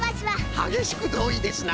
はげしくどういですな！